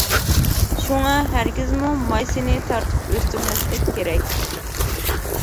شۇڭا، ھەرگىزمۇ «مايسىنى تارتىپ ئۆستۈرمەسلىك كېرەك» .